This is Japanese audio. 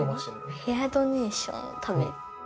ヘアドネーションのため。